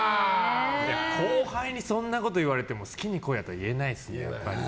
後輩にそんなこと言われても好きにこいやとは言えないですね。